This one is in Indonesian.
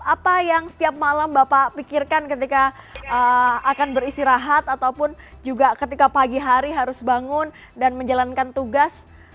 apa yang setiap malam bapak pikirkan ketika akan beristirahat ataupun juga ketika pagi hari harus bangun dan menjalankan tugas